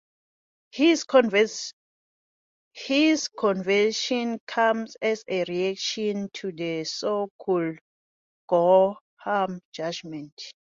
His conversion came as a reaction to the so-called Gorham Judgement.